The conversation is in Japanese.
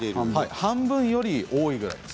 半分より多いくらいで。